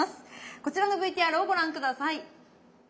こちらのＶＴＲをご覧下さい。